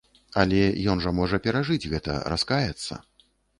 Але ён жа можа перажыць гэта, раскаяцца.